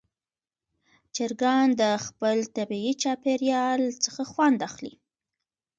چرګان د خپل طبیعي چاپېریال څخه خوند اخلي.